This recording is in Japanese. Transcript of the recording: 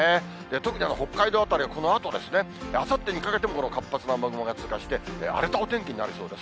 特に北海道辺りはこのあと、あさってにかけても、この活発な雨雲が通過して、荒れたお天気になりそうです。